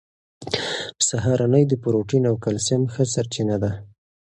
سهارنۍ د پروټین او کلسیم ښه سرچینه ده.